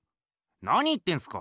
なに言ってんすか？